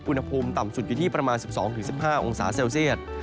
อุณหภูมิต่ำสุดอยู่ที่ประมาณ๑๒๑๕องศาเซลเซียต